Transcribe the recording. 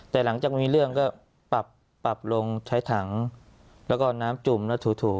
แต่หลังจากมีเรื่องก็ปรับปรับลงใช้ถังแล้วก็น้ำจุ่มแล้วถู